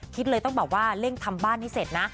คิดเลยต้องแบบว่าเร่งทำบ้านให้เสร็จนะ